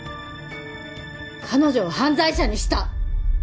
彼女を犯罪者にした！